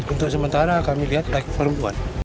untuk sementara kami lihat perempuan